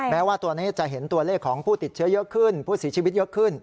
แม้ว่าตัวนี้จะเห็นตัวเลขของผู้ติดเชื้อเยอะขึ้นผู้เสียชีวิตเยอะขึ้น